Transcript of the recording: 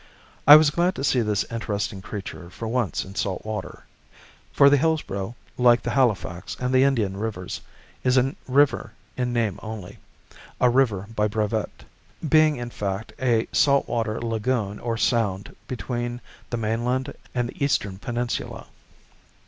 I was glad to see this interesting creature for once in salt water; for the Hillsborough, like the Halifax and the Indian rivers, is a river in name only, a river by brevet, being, in fact, a salt water lagoon or sound between the mainland and the eastern peninsula.